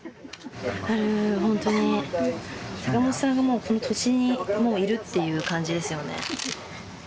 本当に、坂本さんが本当、もうこの土地にいるっていう感じですよね。